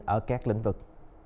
ở các lĩnh vực